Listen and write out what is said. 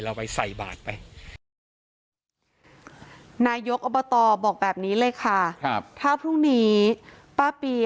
เราไปใส่บาทไป